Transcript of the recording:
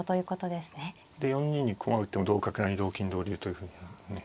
で４二に駒打っても同角成同金同竜というふうにね。